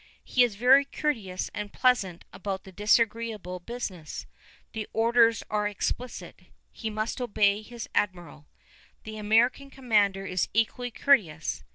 He is very courteous and pleasant about the disagreeable business: the orders are explicit; he must obey his admiral. The American commander is equally courteous.